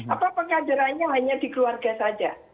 apakah kaderannya hanya di keluarga saja